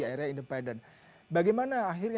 area independen bagaimana akhirnya